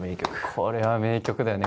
これは名曲だよね。